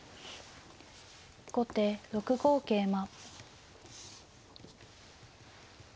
後手６五桂馬。